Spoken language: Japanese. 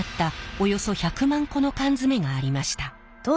およそ１００万個の缶詰がありました。